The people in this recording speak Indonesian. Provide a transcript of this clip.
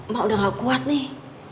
mah udah gak kuat nih